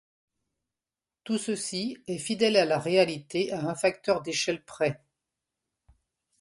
Tout ceci est fidèle à la réalité à un facteur d'échelle près.